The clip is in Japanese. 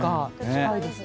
近いですね。